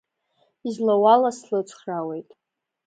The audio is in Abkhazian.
Излауала слыцхраауеит.